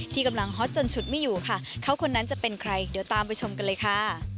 กำลังฮอตจนฉุดไม่อยู่ค่ะเขาคนนั้นจะเป็นใครเดี๋ยวตามไปชมกันเลยค่ะ